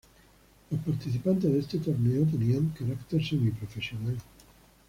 Los participantes de este torneo tenían caracter semi-profesional.